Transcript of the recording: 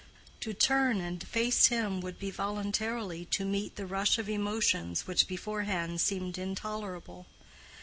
To turn and face him would be voluntarily to meet the rush of emotions which beforehand seemed intolerable.